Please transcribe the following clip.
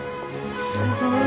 すごい。